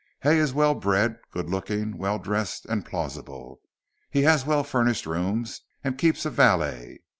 Hay is well bred, good looking, well dressed and plausible. He has well furnished rooms and keeps a valet.